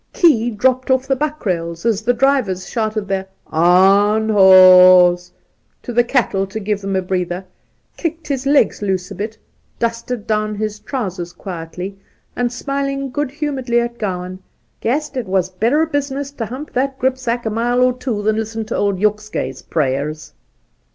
Key dropped off the buck rails, as the drivers shouted their ' Aanhouws ' to the cattle to give them a breather, kicked his legs loose a bit, dusted down his trousers quietly, and, smiling good humouredly at Gowan, ' guessed it was better business to hump that gripsack a mile or two than listen to old Yokeskey's prayers.'